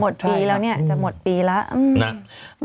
ปีแล้วเนี่ยจะหมดปีแล้วนะ